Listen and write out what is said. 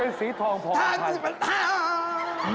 เป็นสีทองพออัพพันธาตุ